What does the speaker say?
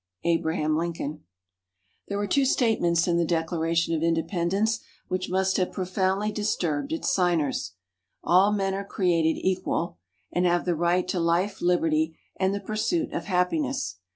_ ABRAHAM LINCOLN There were two statements in the Declaration of Independence, which must have profoundly disturbed its Signers: "All men are created equal," and have the right "to Life, Liberty, and the pursuit of Happiness."